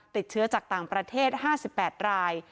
ติดเชื้อจากต่างประเทศ๕๘ราย